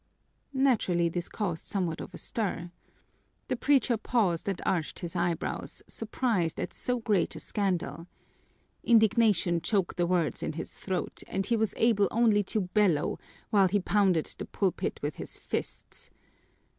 Naturally, this caused somewhat of a stir. The preacher paused and arched his eyebrows, surprised at so great a scandal. Indignation choked the words in his throat and he was able only to bellow, while he pounded the pulpit with his fists.